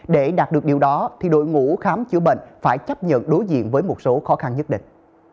để đạt được điều đó thì đội ngũ khám chữa bệnh phải chấp nhận đối diện với một số khó khăn nhất định